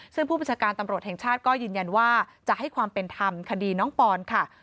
ซึ่งผู้บัญชาการตำรวจแห่งชาติก็ยืนยันว่าจะให้ความเป็นธรรมคดีน้องปอนค่ะ